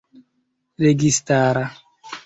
registara